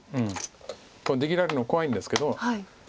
出切られるの怖いんですけど。